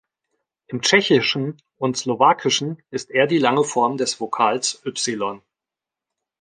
Im Tschechischen und Slowakischen ist er die lange Form des Vokals "y".